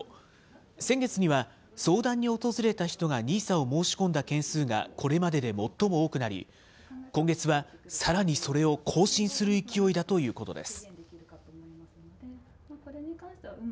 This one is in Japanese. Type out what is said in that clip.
先月には、相談に訪れた人がＮＩＳＡを申し込んだ件数がこれまでで最も多くなり、今月はさらにそれを更新する勢いだということです。